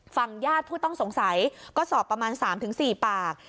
ฝั่งญาติผู้ต้องสงสัยก็สอบประมาณสามถึงสี่ปาก